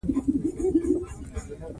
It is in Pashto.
افغانستان په دریابونه غني دی.